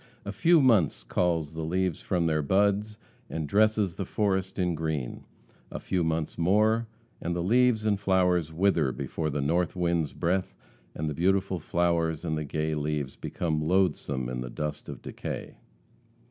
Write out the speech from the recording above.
A few months calls the leaves from their buds, and dresses the forest in green a few months more and the leaves and flowers wither before the North wind's breath and the beautiful flowers and the gay leaves become loathesome in the dust of decay.